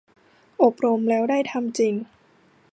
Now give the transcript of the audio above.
อบรมแล้วได้ทำจริง